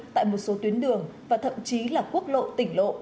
tại một số tuyến đường và thậm chí là quốc lộ tỉnh lộ